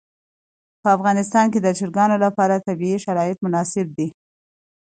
په افغانستان کې د چرګان لپاره طبیعي شرایط مناسب دي.